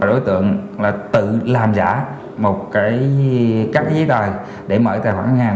đối tượng là tự làm giả một các giấy tờ để mở tài khoản ngân hàng